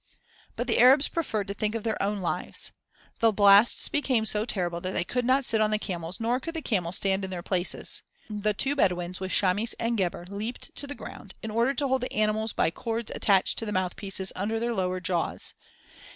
But the Arabs preferred to think of their own lives. The blasts became so terrible that they could not sit on the camels nor could the camels stand in their places. The two Bedouins with Chamis and Gebhr leaped to the ground, in order to hold the animals by cords attached to the mouthpieces under their lower jaws.